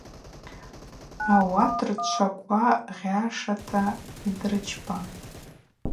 Ауат рчваква гъьашата йдрычпа.